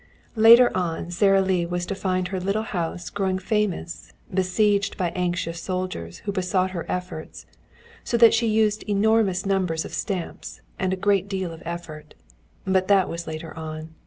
Later on Sara Lee was to find her little house growing famous, besieged by anxious soldiers who besought her efforts, so that she used enormous numbers of stamps and a great deal of effort. But that was later on.